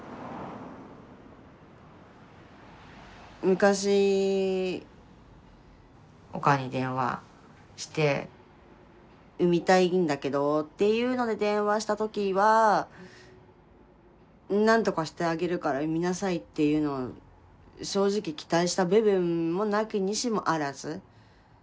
昔おかんに電話して産みたいんだけどっていうので電話した時は「何とかしてあげるから産みなさい」っていうのを正直期待した部分もなきにしもあらず。